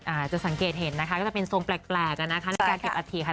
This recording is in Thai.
อ่าจะสังเกตเห็นนะคะก็จะเป็นทรงแปลกนะนะคะในการเก็บอาทิตย์ค่ะ